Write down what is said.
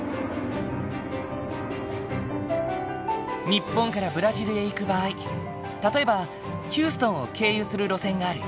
日本からブラジルへ行く場合例えばヒューストンを経由する路線がある。